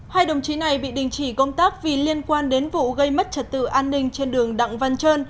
hai đồng chí này bị đình chỉ công tác vì liên quan đến vụ gây mất trật tự an ninh trên đường đặng văn trơn